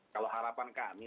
kalau harapan kami